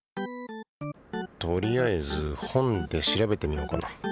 とりあえず本で調べてみようかな。